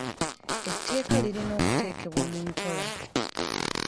Eteeka lirina okuteekebwa mu nkola.